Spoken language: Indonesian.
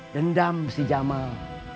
dendam si jamal